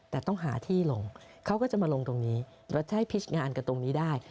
แต่ต้องหาที่ลงเขาก็จะมาลงตรงนี้แล้วจะให้พิชงานกันตรงนี้ได้